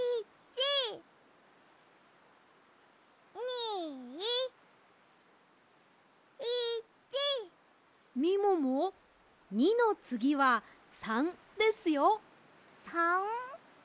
みもも２のつぎは３ですよ。